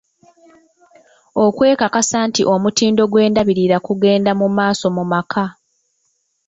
Okwekakasa nti omutindo gw’endabirira kugenda mu maaso mu maka.